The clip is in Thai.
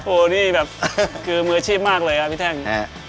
โอ้โหนี่แบบคือมืออาชีพมากเลยครับพี่แท่ง